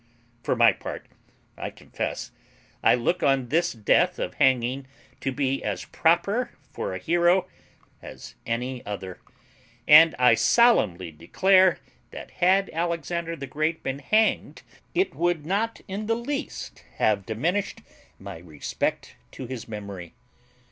For my own part, I confess, I look on this death of hanging to be as proper for a hero as any other; and I solemnly declare that had Alexander the Great been hanged it would not in the least have diminished my respect to his memory.